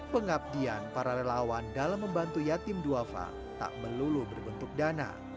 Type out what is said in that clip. pengabdian para relawan dalam membantu yatim duafa tak melulu berbentuk dana